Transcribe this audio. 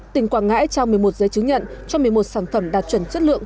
tỉnh quảng ngãi trao một mươi một giấy chứng nhận cho một mươi một sản phẩm đạt chuẩn chất lượng